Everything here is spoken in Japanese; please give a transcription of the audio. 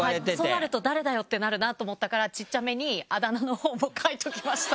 そうなると誰だよってなるなと思ったから小っちゃめにあだ名のほうも書いときました。